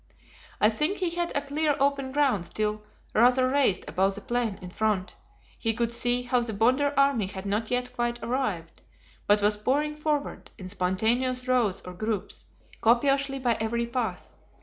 I think he had a clear open ground still rather raised above the plain in front; he could see how the Bonder army had not yet quite arrived, but was pouring forward, in spontaneous rows or groups, copiously by every path.